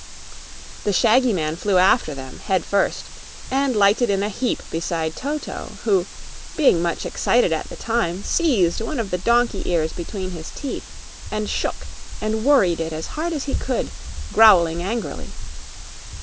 The shaggy man flew after them, head first, and lighted in a heap beside Toto, who, being much excited at the time, seized one of the donkey ears between his teeth and shook and worried it as hard as he could, growling angrily.